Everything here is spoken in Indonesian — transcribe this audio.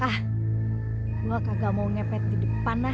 ah gue kagak mau ngepet di depan lah